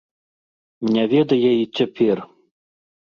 Не ведае й цяпер.